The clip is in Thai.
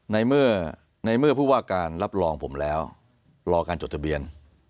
ในเมื่อในเมื่อผู้ว่าการรับรองผมแล้วรอการจดทะเบียน